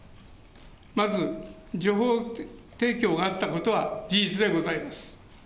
まず情報提供があったことは事実でございます。